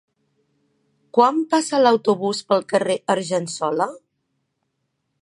Quan passa l'autobús pel carrer Argensola?